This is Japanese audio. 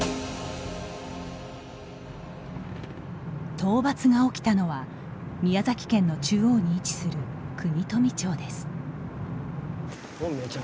盗伐が起きたのは宮崎県の中央に位置する国富町です。